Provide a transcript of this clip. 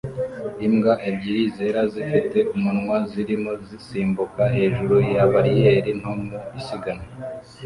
Imbwa ebyiri zera zifite umunwa zirimo zisimbuka hejuru ya bariyeri nto mu isiganwa